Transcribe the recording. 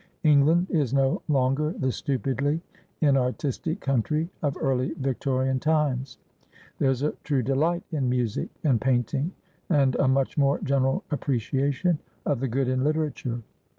England is no longer the stupidly inartistic country of early Victorian times; there's a true delight in music and painting, and a much more general appreciation of the good in literature.